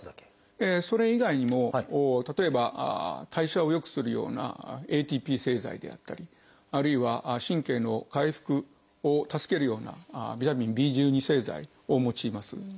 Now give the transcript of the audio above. それ以外にも例えば代謝を良くするようなＡＴＰ製剤であったりあるいは神経の回復を助けるようなビタミンＢ製剤を用います。